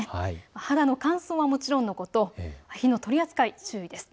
肌の乾燥はもちろんのこと、火の取り扱い注意です。